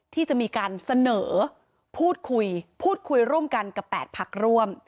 ที่จะมีการเสนอพูดคุยพูดคุยร่วมกันกับ๘พักร่วม